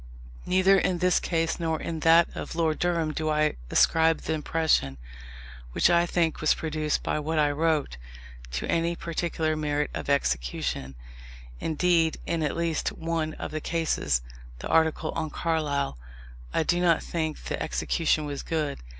Neither in this case nor in that of Lord Durham do I ascribe the impression, which I think was produced by what I wrote, to any particular merit of execution: indeed, in at least one of the cases (the article on Carlyle) I do not think the execution was good.